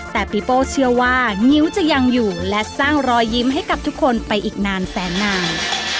แต่ปีโป้เชื่อว่างิ้วจะยังอยู่และสร้างรอยยิ้มให้กับทุกคนไปอีกนานแสนนาน